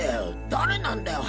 誰なんだよ。